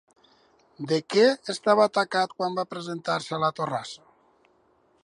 De què estava tacat quan va presentar-se a la torrassa?